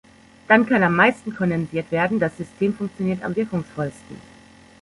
Dann kann am meisten kondensiert werden, das System funktioniert am wirkungsvollsten.